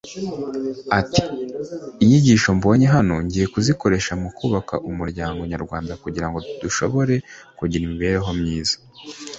Ati “inyigisho mbonye hano ngiye kuzikoresha mu kubaka umuryango nyarwanda kugira ngo dushobore kugira imibereho myiza”